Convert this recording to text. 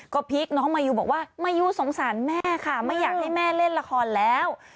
ก็พีคน้องมายูบอกว่ามายูสงสารแม่ค่ะไม่อยากให้แม่เล่นละครแล้ว